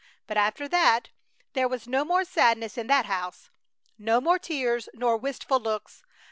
But after that there was no more sadness in that house! No more tears nor wistful looks.